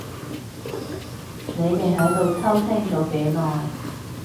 你哋喺度偷聽咗幾耐？